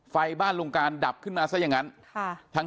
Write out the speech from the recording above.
ไฟบ้านลุงการดับขึ้นมาซะอย่างนั้น